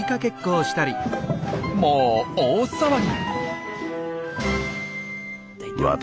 もう大騒ぎ！